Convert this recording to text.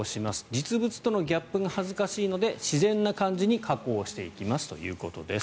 実物とのギャップが恥ずかしいので自然な感じに加工していきますということです。